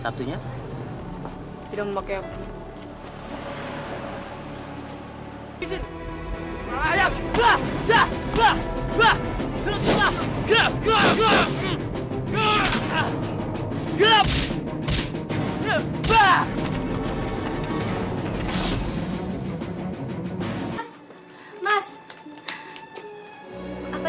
satunya tidak mau pakai apa